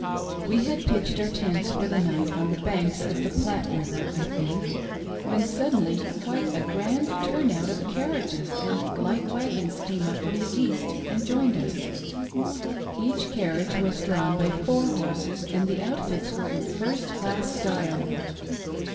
We had pitched our tents for the night on the banks of the Platte River, I think, when suddenly quite a grand' turn out of carriages and light wagons came up from the east and joined us> Each carriage was drawn by four horses, and the outfits ■ were in first class style.